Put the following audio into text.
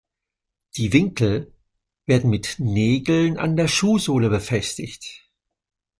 Die Winkel werden mit Nägeln an der Schuhsohle befestigt.